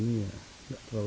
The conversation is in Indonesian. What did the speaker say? ini nggak begitu keras sih